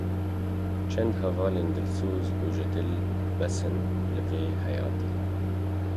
Çend hevalên dilsoz û jidil bes in li vê heyatê